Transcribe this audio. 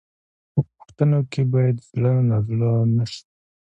په پوښتنو کې باید زړه نازړه نه شو.